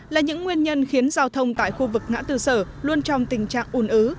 là những nguyên nhân khiến giao thông tại khu vực ngã tư sở luôn trong tình trạng ủn ứ